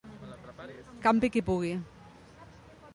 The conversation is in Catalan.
Campi qui pugui.